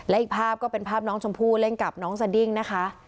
อีกภาพก็เป็นภาพน้องชมพู่เล่นกับน้องสดิ้งนะคะ